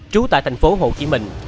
trú tại thành phố hồ chí minh